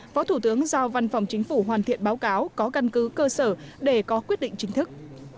phó thủ tướng giao văn phòng chính phủ hoàn thiện báo cáo có căn cứ cơ sở để có quyết định chính thức